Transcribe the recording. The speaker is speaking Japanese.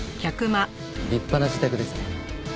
立派な自宅ですね。